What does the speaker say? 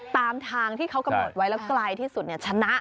ตามทางที่เขากำหนดไว้แล้วไกลที่สุดชนะ